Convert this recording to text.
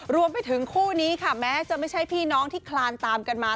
รวมไปถึงคู่นี้ค่ะแม้จะไม่ใช่พี่น้องที่คลานตามกันมา